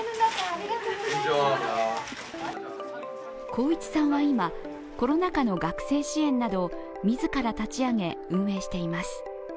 航一さんは今、コロナ禍の学生支援などを自ら立ち上げ、運営しています。